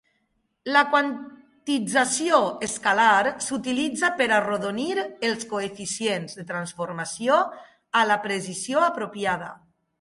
La quantització escalar s'utilitza per arrodonir els coeficients de transformació a la precisió apropiada.